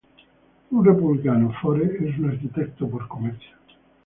Un Republicano, Forest es un arquitecto por comercio.